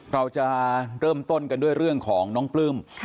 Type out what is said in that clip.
เราจะเริ่มต้นกันด้วยเรื่องของน้องปลื้ม